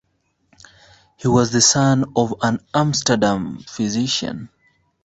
He was the son of an Amsterdam physician.